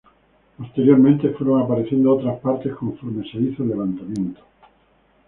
Posteriormente, fueron apareciendo otras partes conforme se hizo el levantamiento.